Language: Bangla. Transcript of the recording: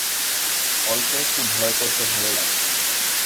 অল্প একটু ভয় করতে ভালো লাগে।